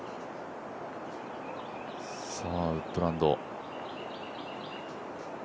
ウッドランド。